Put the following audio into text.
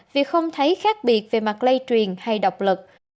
vì không thấy khác biệt về mặt lây truyền hay độc lực